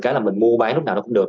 cái là mình mua bán lúc nào cũng được